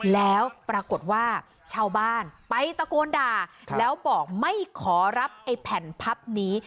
แล้วปรากฏว่าชาวบ้านไปตะโกนด่าแล้วบอกไม่ขอรับไอ้แผ่นพับนี้